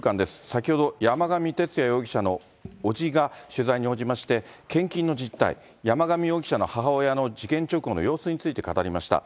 先ほど、山上徹也容疑者の伯父が取材に応じまして、献金の実態、山上容疑者の母親の事件直後の様子について語りました。